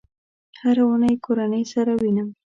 هره اونۍ کورنۍ سره وینم